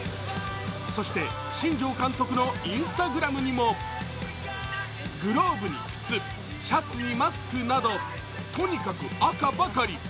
そして、新庄監督のＩｎｓｔａｇｒａｍにもグローブに靴、シャツにマスクなどとにかく赤ばかり。